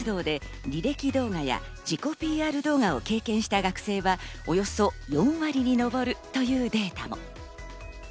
実際、就職活動で履歴動画や自己ＰＲ動画を経験した学生は、およそ４割に上るというデータも。